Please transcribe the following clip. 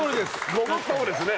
ごもっともですね